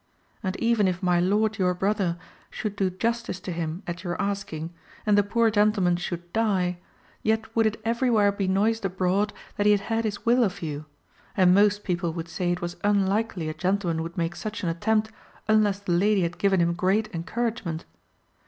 And even if my lord, your brother, should do justice to him at your asking, and the poor gentleman should die, yet would it everywhere be noised abroad that he had had his will of you, and most people would say it was unlikely a gentleman would make such an attempt unless the lady had given him great encouragement.